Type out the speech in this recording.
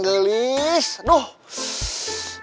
tadi katanya sudah pergi